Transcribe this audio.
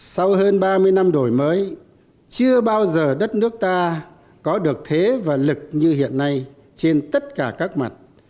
sau hơn ba mươi năm đổi mới chưa bao giờ đất nước ta có được thế và lực như hiện nay trên tất cả các mặt